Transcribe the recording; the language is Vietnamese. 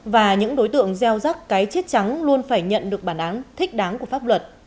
và những đối tượng gieo rắc cái chết trắng luôn phải nhận được bản án thích đáng của pháp luật